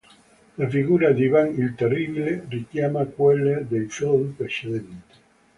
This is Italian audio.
La figura di Ivan il terribile richiama quelle dei film precedenti.